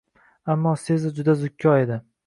Ammo, Sezar juda zukko edi